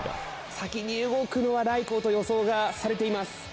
先に動くのはライコウと予想がされています。